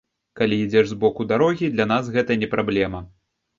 Калі ідзеш збоку дарогі, для нас гэта не праблема.